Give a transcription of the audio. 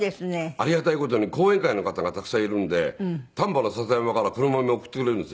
ありがたい事に後援会の方がたくさんいるので丹波の篠山から黒豆送ってくれるんですよ毎年。